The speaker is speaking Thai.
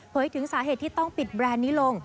ถึงสาเหตุที่ต้องปิดแบรนด์นี้ลง